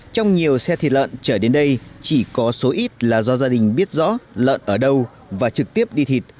trong nhiều xe thịt lợn trở đến đây chỉ có số ít là do gia đình biết rõ lợn ở đâu và trực tiếp đi thịt